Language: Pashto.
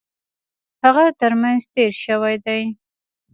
هغه ترمېنځ تېر شوی دی.